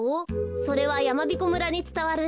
それはやまびこ村につたわる